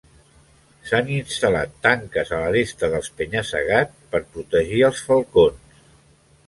S'han instal·lat tanques a l'aresta del penya-segat per protegir els falcons.